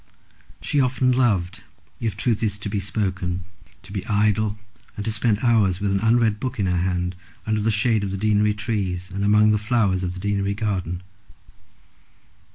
She often loved, if the truth is to be spoken, to be idle, and to spend hours with an unread book in her hand under the shade of the deanery trees, and among the flowers of the deanery garden.